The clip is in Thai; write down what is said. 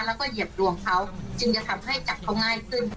แล้วก็เหยียบดวงเขาจึงจะทำให้จับเขาง่ายขึ้น